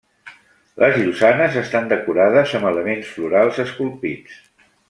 Les llosanes estan decorades amb elements florals esculpits.